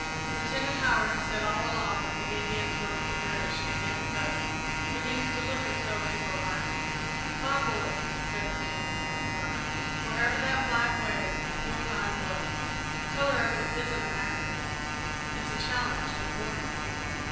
"Lieutenant Howard has said all along that the Indians were with the British and against us. It begins to look as though he were right." "My boy," said Mackenzie, with a sigh, "wherever that flag waves, you'll find blood. The colour of it isn't an accident it's a challenge and a warning."